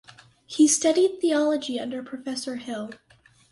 He studied theology under Professor Hill.